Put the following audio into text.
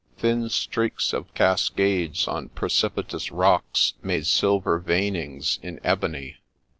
Thin streaks of cascades on pre cipitous rocks made silver veinings in ebony.